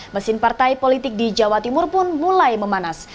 mesin partai politik di jawa timur pun mulai memanas